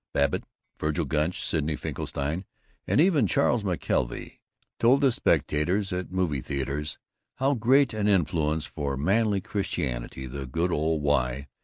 Babbitt, Vergil Gunch, Sidney Finkelstein, and even Charles McKelvey told the spectators at movie theaters how great an influence for manly Christianity the "good old Y."